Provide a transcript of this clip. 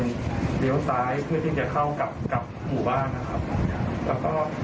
ออกเลี้ยวซ้ายเพื่อที่จะเข้ากับหมู่บ้านครับ